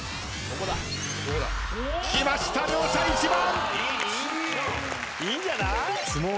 きました両者１番！